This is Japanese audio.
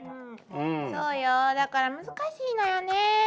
そうよだから難しいのよね。